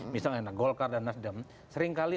misalnya golkar dan nasdem seringkali